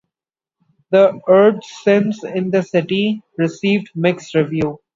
"The Urbz: Sims in the City" received mixed reviews.